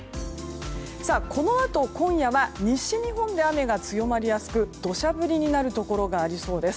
このあと、今夜西日本で雨が強まりやすく土砂降りになるところがありそうです。